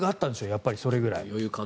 やっぱりそれぐらい。